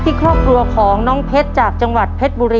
พี่ครอบครัวชมนะครับ